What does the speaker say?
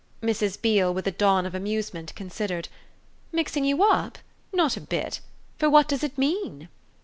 Mrs. Beale, with a dawn of amusement, considered. "Mixing you up? Not a bit. For what does it mean?"